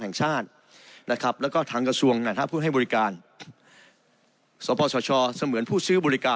แห่งชาตินะครับแล้วก็ทางกระทรวงศักดิ์สุขหน่วยงานผู้ให้บริการ